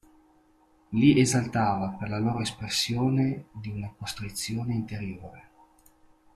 Li esaltava per la loro "espressione di una costrizione interiore".